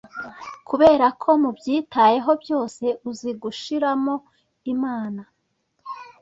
kuberako mubyitayeho byose uzi gushiramo imana